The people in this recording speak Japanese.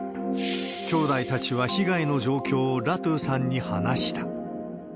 きょうだいたちは被害の状況をラトゥさんに話した。